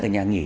ở nhà nghỉ